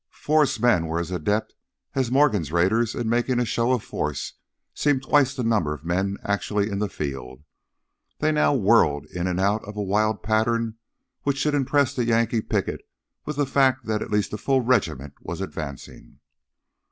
Forrest's men were as adept as Morgan's raiders in making a show of force seem twice the number of men actually in the field. They now whirled in and out of a wild pattern which should impress the Yankee picket with the fact that at least a full regiment was advancing.